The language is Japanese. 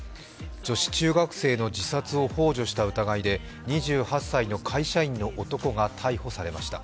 女子中学生の自殺をほう助した疑いで２８歳の会社員の男が逮捕されました。